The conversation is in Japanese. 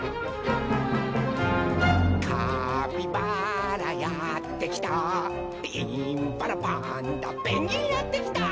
「カピバラやってきたインパラパンダペンギンやってきた」